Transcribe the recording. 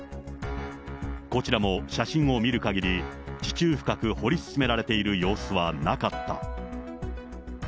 こちらも写真を見るかぎり、地中深く掘り進められている様子はなかった。